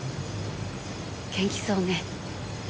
元気そうね。